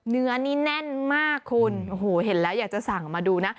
เนื้อนี่แน่นมากคุณโอ้โหเห็นแล้วอยากจะสั่งมาดูนะ